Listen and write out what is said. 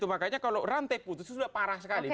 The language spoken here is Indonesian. makanya kalau rantai putus sudah parah sekali